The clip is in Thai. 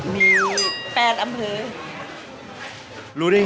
ไม่ธรรมดา